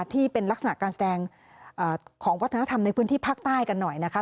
ที่เป็นลักษณะการแสดงของวัฒนธรรมในพื้นที่ภาคใต้กันหน่อยนะคะ